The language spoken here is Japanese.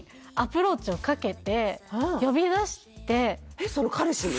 えっその彼氏に？